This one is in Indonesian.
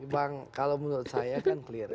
bang kalau menurut saya kan clear ya